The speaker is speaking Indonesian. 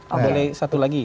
ambil satu lagi